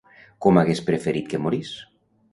Com hagués preferit que morís?